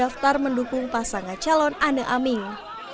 daftar mendukung pasangan calon ane aming